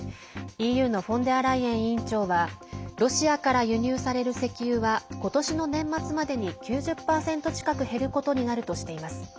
ＥＵのフォンデアライエン委員長はロシアから輸入される石油はことしの年末までに９０％近く減ることになるとしています。